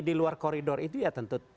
diluar koridor itu ya tentu